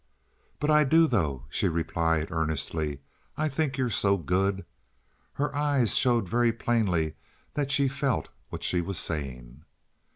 "But I do, though," she replied, earnestly. "I think you're so good." Her eyes showed very plainly that she felt what she was saying.